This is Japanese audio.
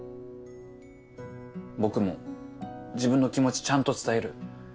僕も自分の気持ちちゃんと伝える。